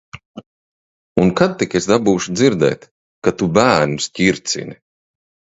Un kad tik es dabūšu dzirdēt, ka tu bērnus ķircini.